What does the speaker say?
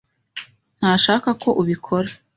ntashaka ko ubikora.